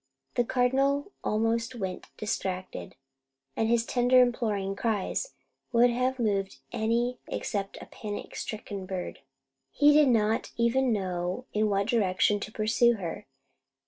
The Cardinal almost went distracted; and his tender imploring cries would have moved any except a panic stricken bird. He did not even know in what direction to pursue her.